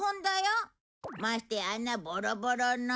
ましてやあんなボロボロの。